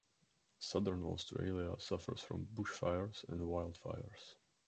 Southern Australia suffers from bushfires and wildfires.